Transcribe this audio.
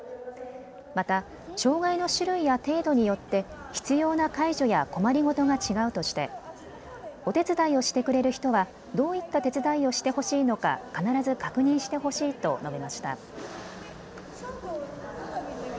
また障害の種類や程度によって必要な介助や困り事が違うとしてお手伝いをしてくれる人はどういった手伝いをしてほしいのか必ず確認してほしいと述べました。